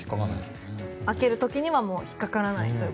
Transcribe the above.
開ける時には引っかからないと。